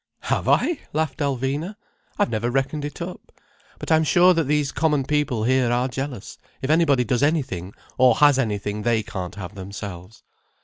"Have I?" laughed Alvina. "I've never reckoned it up. But I'm sure that these common people here are jealous if anybody does anything or has anything they can't have themselves."